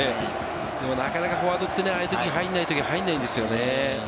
でも、なかなかファワードって、ああいうとき、入らないときは入らないんですよ。